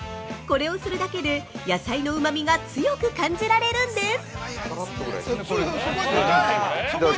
これをするだけで野菜のうまみが強く感じられるんです。